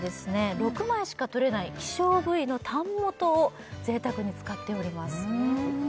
６枚しかとれない希少部位のタン元を贅沢に使っております